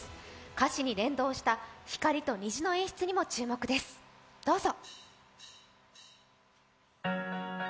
歌詞に連動した光と虹の演出にも注目です、どうぞ。